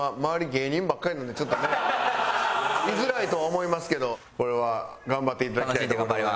芸人ばっかりなんでちょっとね居づらいとは思いますけどこれは頑張っていただきたいところでございます。